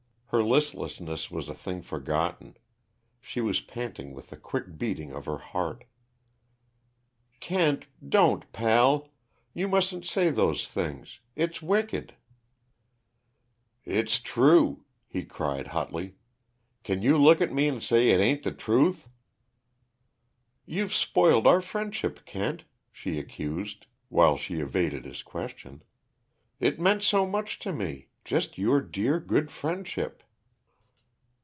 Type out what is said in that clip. Her listlessness was a thing forgotten. She was panting with the quick beating of her heart. "Kent don't, pal! You mustn't say those things it's wicked." "It's true," he cried hotly. "Can you look at me and say it ain't the truth?" "You've spoiled our friendship, Kent!" she accused, while she evaded his question. "It meant so much to me just your dear, good friendship."